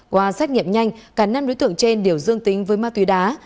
qua xét nghiệm nhanh cả năm đối tượng trên đều dương tính với ma túy đá